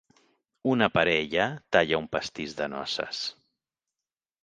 Una parella talla un pastís de noces.